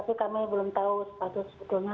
tapi kami belum tahu status sebetulnya